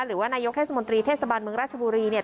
หรือว่านายกเทศมนตรีเทศบาลเมืองราชบุรีเนี่ย